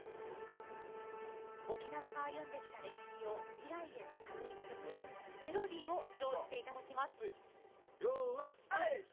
沖縄が歩んできた歴史を未来へつなぐ一曲「Ｍｅｌｏｄｙ」を披露していただきます。